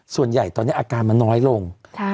ส่วนใหญ่ตอนนี้อาการมันน้อยลง